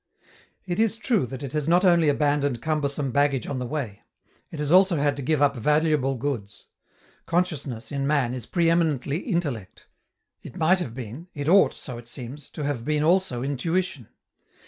It is true that it has not only abandoned cumbersome baggage on the way; it has also had to give up valuable goods. Consciousness, in man, is pre eminently intellect. It might have been, it ought, so it seems, to have been also intuition.